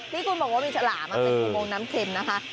พี่กุ้นบอกว่ามีชาหลามในโรงน้ำเค็มนะคะ